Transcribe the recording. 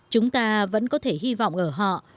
chúng ta vẫn có thể hy vọng ở họ